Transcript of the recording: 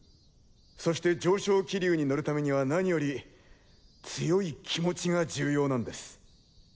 そして上昇気流に乗るためには何より強い気持ちが重要なんです。